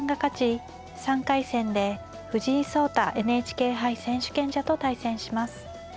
３回戦で藤井聡太ＮＨＫ杯選手権者と対戦します。